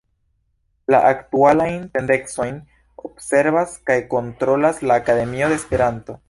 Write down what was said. La aktualajn tendencojn observas kaj kontrolas la Akademio de Esperanto.